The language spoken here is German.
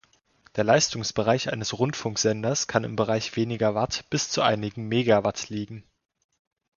Der Leistungsbereich eines Rundfunksenders kann im Bereich weniger Watt bis zu einigen Megawatt liegen.